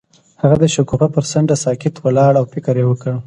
هغه د شګوفه پر څنډه ساکت ولاړ او فکر وکړ.